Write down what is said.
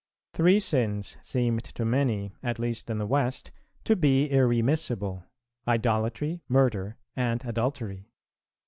Three sins seemed to many, at least in the West, to be irremissible, idolatry, murder, and adultery.